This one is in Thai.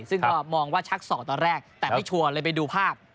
ซึ่งก็มองว่าชักศอกตอนแรกแต่ไม่ชัวร์เลยไปดูภาพ